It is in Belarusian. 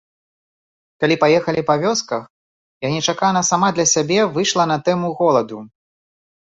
Калі паехалі па вёсках, я нечакана сама для сябе выйшла на тэму голаду.